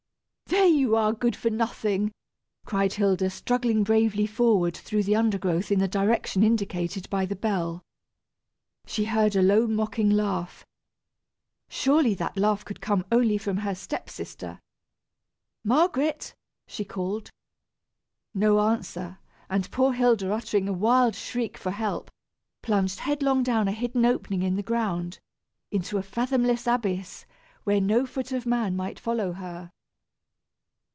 "There you are, good for nothing!" cried Hilda, struggling bravely forward through the undergrowth in the direction indicated by the bell. She heard a low mocking laugh. Surely that laugh could come only from her step sister! "Margaret!" she called. No answer, and poor Hilda, uttering a wild shriek for help, plunged headlong down a hidden opening in the ground, into a fathomless abyss, where no foot of man might follow her.